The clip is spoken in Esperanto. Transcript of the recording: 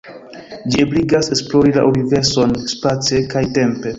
Ĝi ebligas esplori la universon, space kaj tempe.